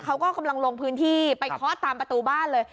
เขาก็กำลังลงพื้นที่ไปเคาะตามประตูบ้านเลย